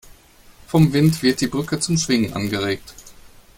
Vom Wind wird die Brücke zum Schwingen angeregt.